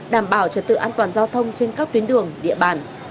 đảm bảo trật tự an toàn giao thông trên các tuyến đường địa bàn